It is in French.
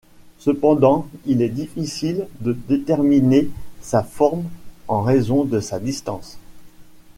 Cependant, il est difficile de déterminer sa forme en raison de sa distance.